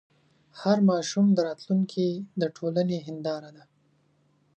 هر ماشوم د راتلونکي د ټولنې هنداره ده.